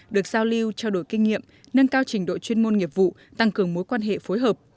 được giao lưu trao đổi kinh nghiệm nâng cao trình độ chuyên môn nghiệp vụ tăng cường mối quan hệ phối hợp